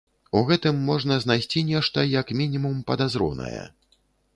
У гэтым можна знайсці нешта як мінімум падазронае.